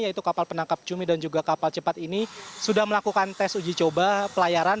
yaitu kapal penangkap cumi dan juga kapal cepat ini sudah melakukan tes uji coba pelayaran